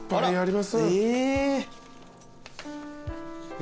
え。